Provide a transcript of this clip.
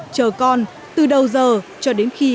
chờ con từ đầu giờ cho đến khi